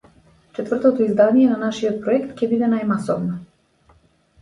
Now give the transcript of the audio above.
Четвртото издание на нашиот проект ќе биде најмасовно.